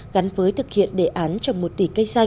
gắn với thực hiện đề án trồng một tỷ cây xanh